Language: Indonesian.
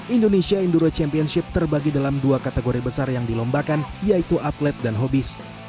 indonesia enduro championship terbagi dalam dua kategori besar yang dilombakan yaitu atlet dan hobis